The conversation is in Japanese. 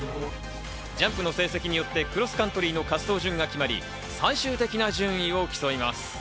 ジャンプの成績によってクロスカントリーの滑走順が決まり、最終的な順位を競います。